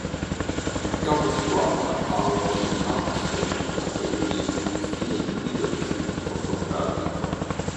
Il capo squadra ha autorità assoluta e utilizza uno stile di leadership autocratico.